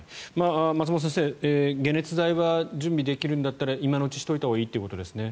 松本先生、解熱剤は準備できるんだったら今のうちにしておいたほうがいいということですね。